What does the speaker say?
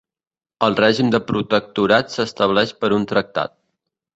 El règim de protectorat s'estableix per un tractat.